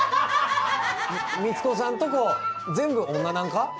光子さんとこ全部女なんか？